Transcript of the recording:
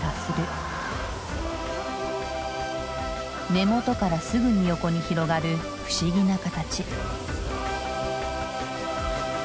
根元からすぐに横に広がる不思議な形。